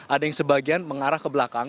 ada yang sebagian mengarah ke belakang